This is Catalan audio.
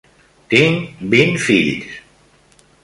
Tinc vint fills.